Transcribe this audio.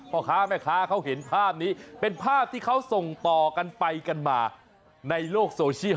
พ่อค้าแม่ค้าเขาเห็นภาพนี้เป็นภาพที่เขาส่งต่อกันไปกันมาในโลกโซเชียล